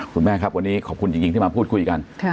คุณแม่ครับวันนี้ขอบคุณจริงที่มาพูดคุยกัน